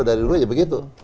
dari dulu begitu